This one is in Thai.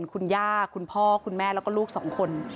คุณย่าคุณพ่อคุณแม่แล้วก็ลูกสองคน